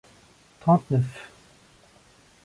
trente-neuf